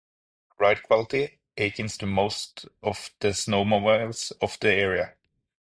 Ride quality akin to most of the snowmobiles of that era.